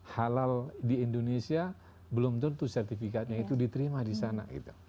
halal di indonesia belum tentu sertifikatnya itu diterima di sana